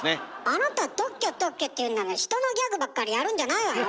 あなた「特許特許」って言うんなら人のギャグばっかりやるんじゃないわよ。